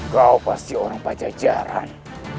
kau pasti orang pajak jarang